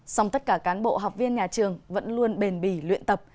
song tất cả cán bộ học viên nhà trường vẫn luôn bền bỉ luyện tập